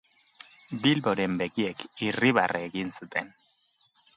Bilboren begiek irribarre egin zuten.